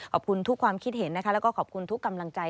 ขอบคุณทุกความคิดเห็นนะคะแล้วก็ขอบคุณทุกกำลังใจ